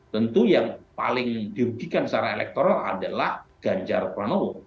tentu yang paling dirugikan secara elektoral adalah ganjar pranowo